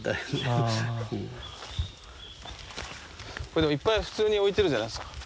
これでもいっぱい普通に置いてるじゃないすか。